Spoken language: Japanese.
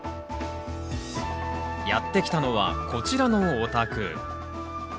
やって来たのはこちらのお宅。